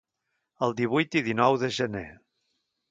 El divuit i dinou de gener.